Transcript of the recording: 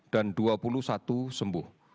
dan dua puluh satu sembuh